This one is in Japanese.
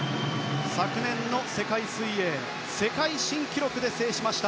昨年の世界水泳世界新記録で制しました。